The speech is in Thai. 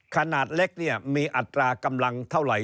ขนาดเล็กมีอัตรากำรังเท่าไหร่ถึงเท่าไหร่